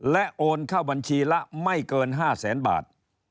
และโอนเข้าบัญชีละไม่เกิน๕แสนบาท